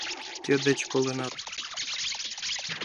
Кӧ деч колынат?